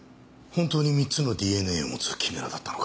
本当に３つのＤＮＡを持つキメラだったのか。